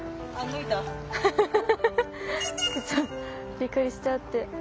びっくりしちゃうって。